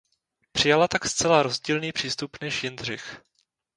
Přijala tak zcela rozdílný přístup než Jindřich.